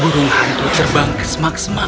burung hantu terbang kesemak semak